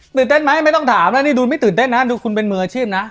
ตื่นเต้นไหมไม่ต้องถามแล้วนี่ดูไม่ตื่นเต้นนะดูคุณเป็นมืออาชีพนะ